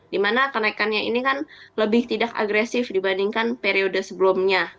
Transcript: dimana kenaikannya ini kan lebih tidak agresif dibandingkan periode sebelumnya